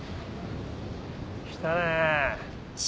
来たね。